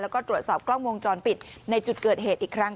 แล้วก็ตรวจสอบกล้องวงจรปิดในจุดเกิดเหตุอีกครั้ง